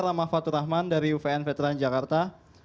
ramah fatur rahman dari uvn veteran jakarta